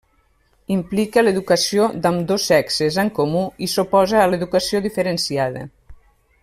Implica l'educació d'ambdós sexes en comú i s'oposa a l'educació diferenciada.